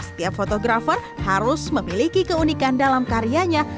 setiap fotografer harus memiliki keunikan dalam karyanya